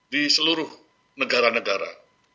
di seluruh negara negara